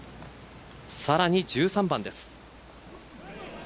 さらに１３番です。